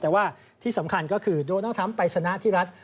แต่ว่าที่สำคัญก็คือโดนัลดทรัมป์ไปชนะที่รัฐ